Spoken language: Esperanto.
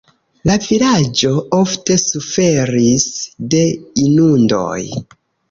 La vilaĝo ofte suferis de inundoj.